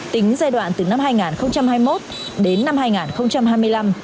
tính giai đoạn từ năm hai nghìn hai mươi một đến năm hai nghìn hai mươi năm